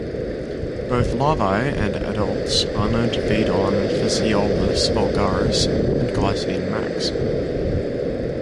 Both larvae and adults are known to feed on "Phaseolus vulgaris" and "Glycine max".